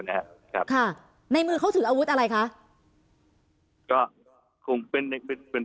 นะครับค่ะในมือเขาถืออาวุธอะไรคะก็คงเป็นในเป็นเป็น